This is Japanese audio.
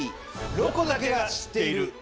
「ロコだけが知っている」。